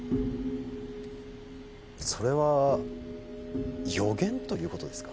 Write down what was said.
それは予言ということですか